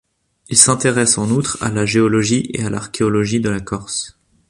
Il s’intéresse en outre à la géologie et à l’archéologie de la Corse.